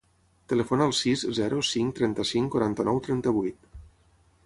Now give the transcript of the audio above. Telefona al sis, zero, cinc, trenta-cinc, quaranta-nou, trenta-vuit.